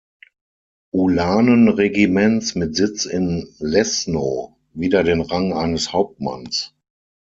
Ulanenregiments mit Sitz in Leszno wieder den Rang eines Hauptmanns.